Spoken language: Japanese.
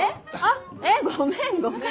えっごめんごめん。